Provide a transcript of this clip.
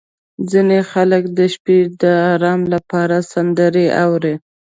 • ځینې خلک د شپې د ارام لپاره سندرې اوري.